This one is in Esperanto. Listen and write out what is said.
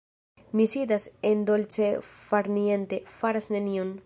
Mi sidas en dolce farniente, faras nenion.